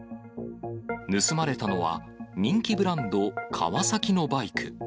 盗まれたのは、人気ブランド、カワサキのバイク。